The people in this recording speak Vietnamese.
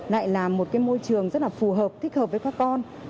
lại là một cái môi trường rất là phù hợp thích hợp với các con